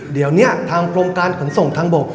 เดี๋ยวนี้ทางกรมการขนส่งทางบก